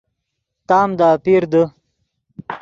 تام دے اپیر دے